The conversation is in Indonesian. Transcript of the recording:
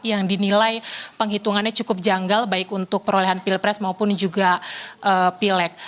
yang dinilai penghitungannya cukup janggal baik untuk perolehan pilpres maupun juga pileg